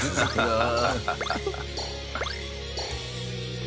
ああ。